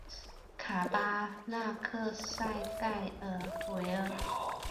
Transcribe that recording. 卡巴纳克塞盖恩维尔。